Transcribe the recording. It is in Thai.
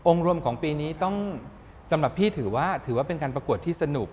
รวมของปีนี้ต้องสำหรับพี่ถือว่าถือว่าเป็นการประกวดที่สนุก